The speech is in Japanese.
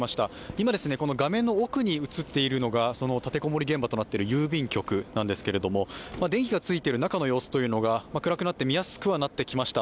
今、この画面の奥に映っているのが立て籠もり事件の現場、郵便局なんですけれども電気がついている中の様子は暗くなって見やすくはなってきました。